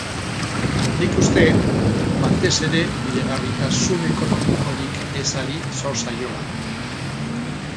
Nik uste batez ere bideragarritasun ekonomikorik ezari zor zaiola.